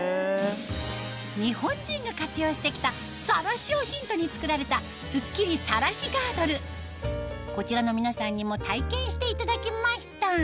日本人が活用してきたさらしをヒントに作られたこちらの皆さんにも体験していただきました